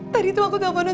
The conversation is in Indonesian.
tadi aku teleponan